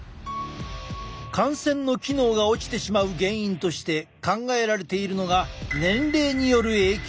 汗腺の機能が落ちてしまう原因として考えられているのが年齢による影響。